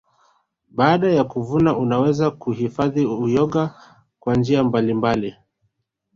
Baada ya kuvuna unaweza kuuhifadhi uyoga kwa njia mbalimbali